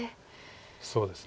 そうですね。